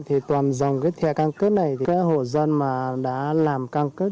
thì toàn dòng cái thẻ căn cức này cái hộ dân mà đã làm căn cức